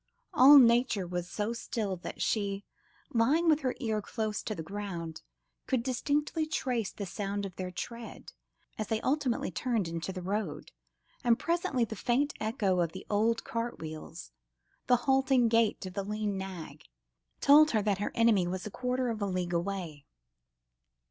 All nature was so still that she, lying with her ear close to the ground, could distinctly trace the sound of their tread, as they ultimately turned into the road, and presently the faint echo of the old cart wheels, the halting gait of the lean nag, told her that her enemy was a quarter of a league away.